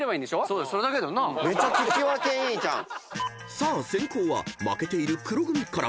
［さあ先攻は負けている黒組から］